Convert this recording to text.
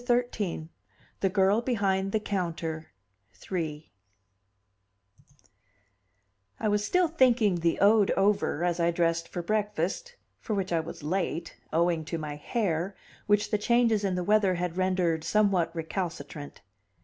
XIII: The Girl Behind the Counter III I was still thinking the ode over as I dressed for breakfast, for which I was late, owing to my hair, which the changes in the weather had rendered somewhat recalcitrant.